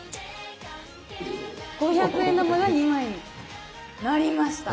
５００円玉が２枚になりました！